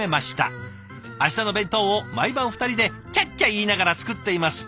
明日の弁当を毎晩２人でキャッキャ言いながら作っています！」。